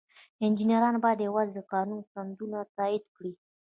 انجینران باید یوازې قانوني سندونه تایید کړي.